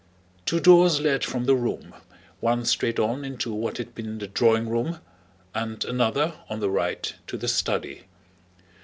Two doors led from the room, one straight on into what had been the drawing room, and another, on the right, to the study.